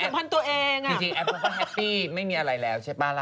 เป็นประชาสัมพันธ์ตัวเองอ่ะจริงแอฟเขาก็แฮปปี้ไม่มีอะไรแล้วใช่ป่าล่ะ